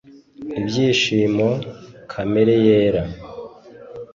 ibyishimo, kamere yera